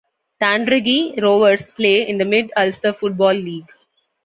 Tandragee Rovers play in the Mid-Ulster Football League.